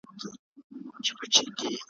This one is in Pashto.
سره يو به کي موجونه `